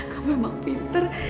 kamu emang pinter